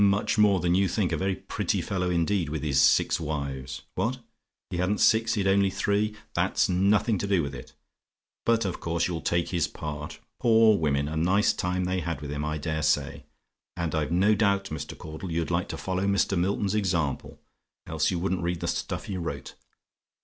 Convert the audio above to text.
"Much more than you think. A very pretty fellow, indeed, with his six wives. What? "HE HADN'T SIX HE'D ONLY THREE? "That's nothing to do with it; but of course you'll take his part. Poor women! A nice time they had with him, I dare say! And I've no doubt, Mr. Caudle, you'd like to follow Mr. Milton's example; else you wouldn't read the stuff he wrote.